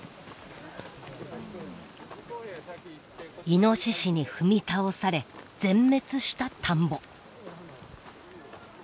イノシシに踏み倒され全滅した田んぼ。